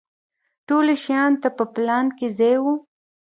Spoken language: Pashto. ټولو شیانو ته په پلان کې ځای و.